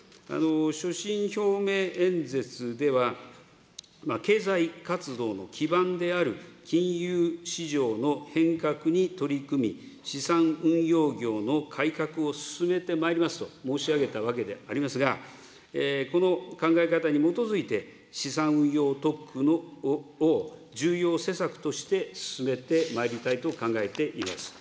所信表明演説では、経済活動の基盤である金融市場の変革に取り組み、資産運用業の改革を進めてまいりますと申し上げたわけでありますが、この考え方に基づいて、資産運用特区を重要施策として進めてまいりたいと考えています。